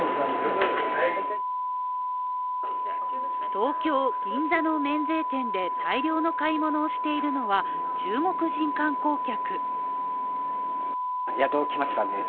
東京・銀座の免税店で大量の買い物をしているのは中国人観光客。